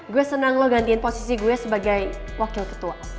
gue senang lo gantiin posisi gue sebagai wakil ketua